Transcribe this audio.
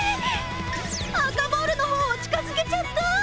赤ボールの方を近づけちゃった！